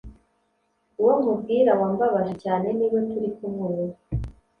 Uwo nkubwira wambabaje cyane niwe turi kumwe ubu